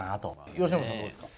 由伸さんはどうですか。